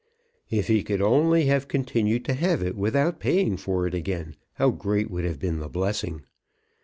If he could only have continued to have it without paying for it again, how great would have been the blessing!